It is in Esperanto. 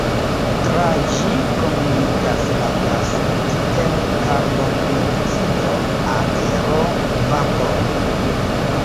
Tra ĝi komunikas la gasoj kiel karbon-dioksido, aero, vaporo.